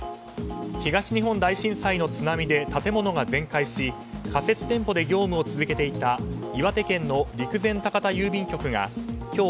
東日本大震災の津波で建物が全壊し仮設店舗で業務を続けていた岩手県の陸前高田郵便局が今日